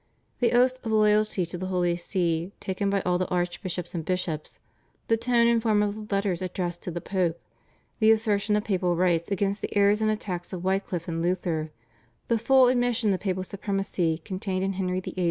The oaths of loyalty to the Holy See taken by all the archbishops and bishops, the tone and form of the letters addressed to the Pope, the assertion of papal rights against the errors and attacks of Wycliff and Luther, the full admission of papal supremacy contained in Henry VIII.'